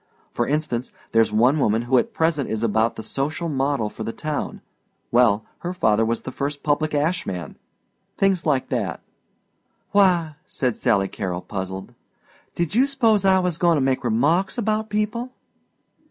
For instance there's one woman who at present is about the social model for the town; well, her father was the first public ash man things like that." "Why," said Sally Carol, puzzled, "did you s'pose I was goin' to make remarks about people?"